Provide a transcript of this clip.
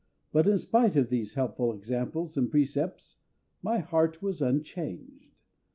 But in spite of these helpful examples and precepts my heart was unchanged.